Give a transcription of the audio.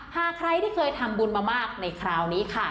หากใครที่เคยทำบุญมามากในคราวนี้ค่ะ